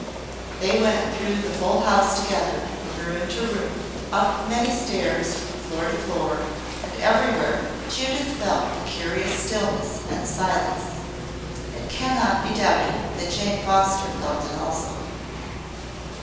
They went through the whole house together, from room to room, up the many stairs, from floor to floor, and everywhere Judith felt the curious stillness and silence. It can not be doubted that Jane Foster felt it also.